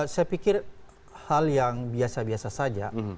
saya pikir hal yang biasa biasa saja